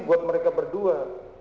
buat mereka berdua